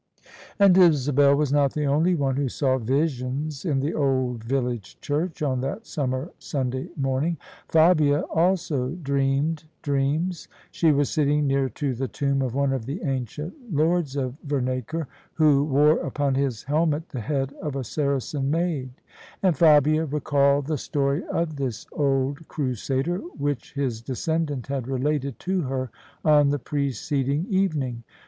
And Isabel was not the only one who saw visions in the old village church on that summer Sunday morning: Fabia also dreamed dreams. She was sitting near to the tomb of one of the ancient lords of Vernacre, who wore upon his helmet the head of a Saracen maid: and Fabia recalled the story of this old crusader, which his descendant had related to her on the preceding evening.